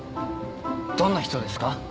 どんな人ですか？